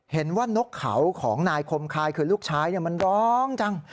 นกเขาของนายคมคายคือลูกชายมันร้องจัง